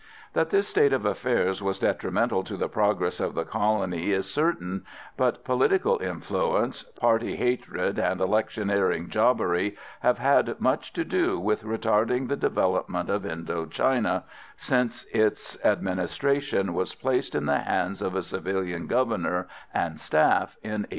That this state of affairs was detrimental to the progress of the colony is certain, but political influence, party hatred and electioneering jobbery have had much to do with retarding the development of Indo China, since its administration was placed in the hands of a civilian governor and staff in 1886.